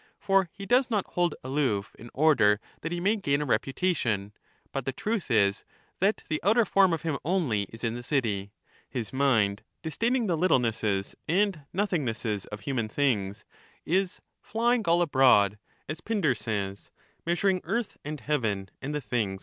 For he does not hold aloof in order that he may gain a reputation ; but the truth is, that the outer form of him only is in the city : his mind, disdaining the little nesses and nothingnesses of human things, is 'flying all abroad* as Pindar says, measuring earth and heaven and the things